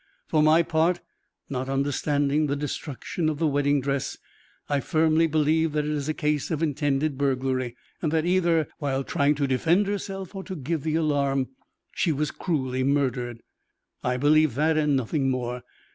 For my part, not understanding the destruction of the wedding dress, I firmly believe that it is a case of intended burglary, and that either while trying to defend herself or to give the alarm, she was cruelly murdered. I believe that, and nothing more.